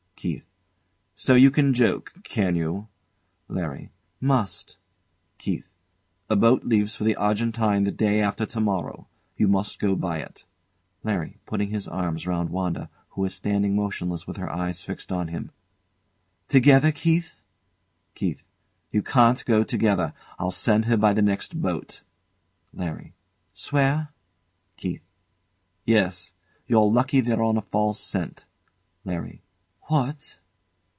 KEITH. So you can joke, can you? LARRY. Must. KEITH. A boat leaves for the Argentine the day after to morrow; you must go by it. LARRY. [Putting his arms round WANDA, who is standing motionless with her eyes fixed on him] Together, Keith? KEITH. You can't go together. I'll send her by the next boat. LARRY. Swear? KEITH. Yes. You're lucky they're on a false scent. LARRY. What?